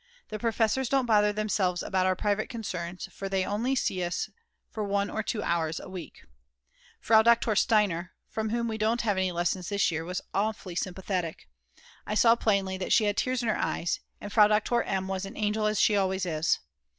The professors don't bother themselves about our private concerns, for they only see us for 1 or 2 hours a week. Frau Doktor Steiner, from whom we don't have any lessons this year, was awfully sympathetic; I saw plainly that she had tears in her eyes, and Frau Doktor M. was an angel as she always is!